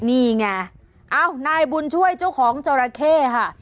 นี่ไงเอ้านายบุญช่วยเจ้าของจราเข้ค่ะ